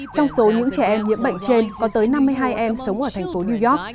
trong số những trẻ em nhiễm bệnh trên có tới năm mươi hai em sống ở thành phố new york